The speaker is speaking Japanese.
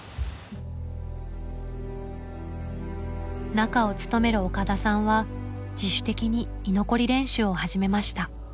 「中」を務める岡田さんは自主的に居残り練習を始めました。